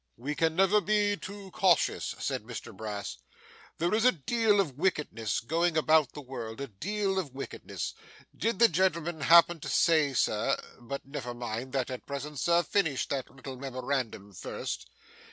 'We can never be too cautious,' said Mr Brass. 'There is a deal of wickedness going about the world, a deal of wickedness. Did the gentleman happen to say, Sir but never mind that at present, sir; finish that little memorandum first.